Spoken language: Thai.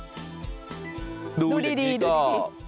กลายเป็นประเพณีที่สืบทอดมาอย่างยาวนาน